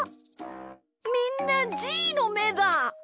みんなじーのめだ！